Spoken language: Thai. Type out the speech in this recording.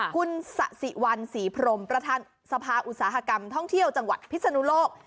คุณสะสิวันศรีพรมประธานสภาอุตสาหกรรมท่องเที่ยวจังหวัดพิศนุโลก